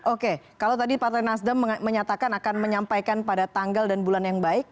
oke kalau tadi partai nasdem menyatakan akan menyampaikan pada tanggal dan bulan yang baik